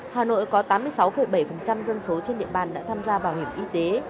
hà nội có tám mươi sáu bảy dân số trên địa bàn đã tham gia bảo hiểm y tế